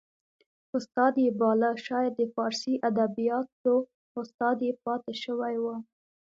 استاد یې باله شاید د فارسي ادبیاتو استاد یې پاته شوی و